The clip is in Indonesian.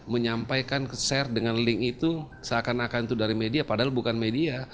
menyampaikan ke share dengan link itu seakan akan itu dari media padahal bukan media